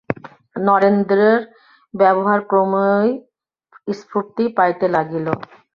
নরেন্দ্রের ব্যবহার ক্রমেই স্ফূর্তি পাইতে লাগিল।